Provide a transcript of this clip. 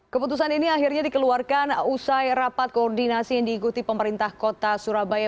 keputusan ini akhirnya dikeluarkan usai rapat koordinasi yang diikuti pemerintah kota surabaya